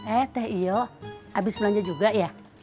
eh teh iyo abis belanja juga ya